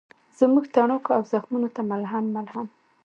زموږ تڼاکو او زخمونوته ملهم، ملهم